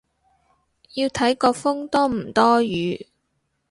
要睇個風多唔多雨